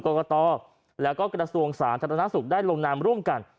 กรกฎและกรสูงศาสตร์ธนสุขได้ลงนำร่วมกัน